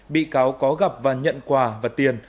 bị cáo có gặp và nhận quà và tiền